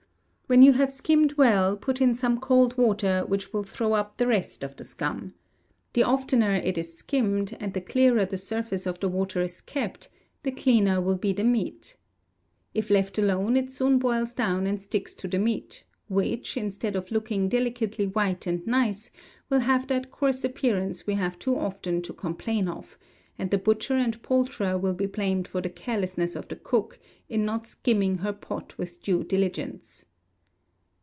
When you have skimmed well, put in some cold water, which will throw up the rest of the scum. The oftener it is skimmed, and the clearer the surface of the water is kept, the cleaner will be the meat. If let alone, it soon boils down and sticks to the meat, which, instead of looking delicately white and nice, will have that coarse appearance we have too often to complain of, and the butcher and poulterer will be blamed for the carelessness of the cook, in not skimming her pot with due diligence.